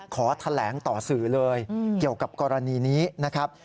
ขอแถลงต่อสื่อเลยเกี่ยวกับกรณีนี้นะครับ